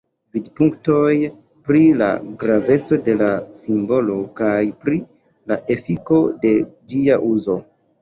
Vidpunktoj pri la graveco de la simbolo kaj pri la efiko de ĝia uzo.